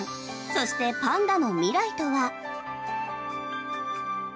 そしてパンダの未来とは。